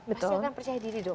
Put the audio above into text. pasti dia kan percaya diri dong